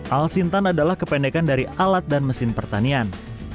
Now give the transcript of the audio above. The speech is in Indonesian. al sintan adalah kependekan dari alat dan mesin pertanian